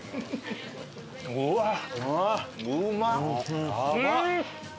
うわっうまっ！